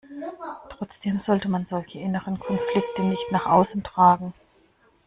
Trotzdem sollte man solche inneren Konflikte nicht nach außen tragen.